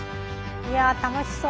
や楽しそう。